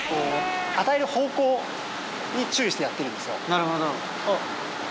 なるほど。